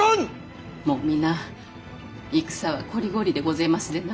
もう皆戦はこりごりでごぜえますでな。